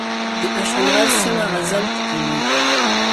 د اشنغر سيمه غزل ټوکوي